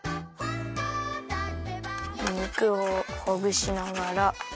肉をほぐしながら。